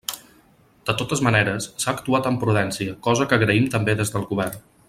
De totes maneres, s'ha actuat amb prudència, cosa que agraïm també des del Govern.